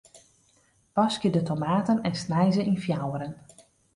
Waskje de tomaten en snij se yn fjouweren.